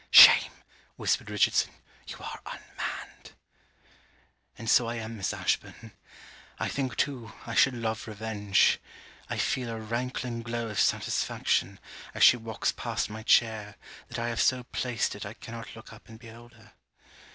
'Shame!' whispered Richardson, 'you are unmanned!' And so I am, Miss Ashburn. I think too, I should love revenge. I feel a rankling glow of satisfaction, as she walks past my chair, that I have so placed it I cannot look up and behold her.